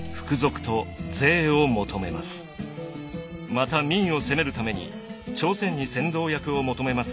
また明を攻めるために朝鮮に先導役を求めますが拒絶されます。